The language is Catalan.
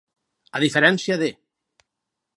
A diferència de.